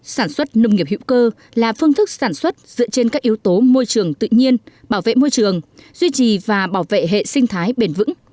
sản xuất nông nghiệp hữu cơ là phương thức sản xuất dựa trên các yếu tố môi trường tự nhiên bảo vệ môi trường duy trì và bảo vệ hệ sinh thái bền vững